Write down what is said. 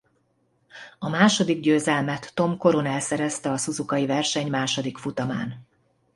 A második győzelmet Tom Coronel szerezte a szuzukai verseny második futamán.